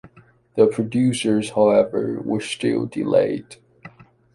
The procedures, however, were still delayed.